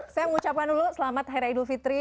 saya mengucapkan dulu selamat hari idul fitri